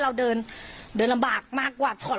แก้วเปล่าเอาอย่าปลาพยุง